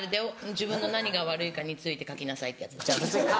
自分の何が悪いかについて書きなさいってやつ。